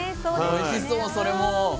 おいしそうそれも。